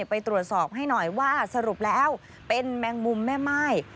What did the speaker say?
ไปตรวจสอบให้หน่อยว่าสรุปแล้วเป็นแมงมุมแม่ม่าย